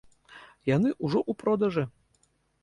Яны ўжо ў продажы.